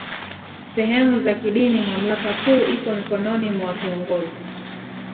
sehemu za kidiniMamlaka kuu iko mikononi mwa Kiongoz